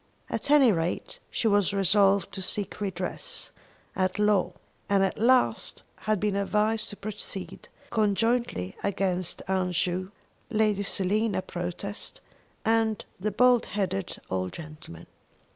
At any rate, she was resolved to seek redress at law, and at last had been advised to proceed conjointly against Aunt Ju, Lady Selina Protest, and the bald headed old gentleman.